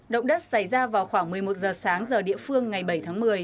động đất xảy ra vào khoảng một mươi một giờ sáng giờ địa phương ngày bảy tháng một mươi